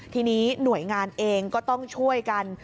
ทีนี้หน่วยงานเองก็ต้องช่วยกัน